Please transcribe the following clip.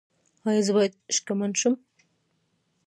ایا زه باید شکمن شم؟